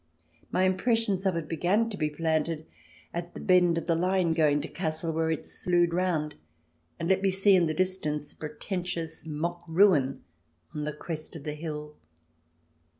My impressions of it began to be planted at the bend of the line going to Kassel ; where it slewed round and let me see in the dis tance a pretentious mock ruin on the crest of the hill.